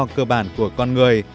và tự do cơ bản của con người